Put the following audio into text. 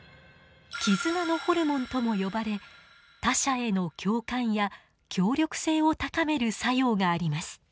絆のホルモンとも呼ばれ他者への共感や協力性を高める作用があります。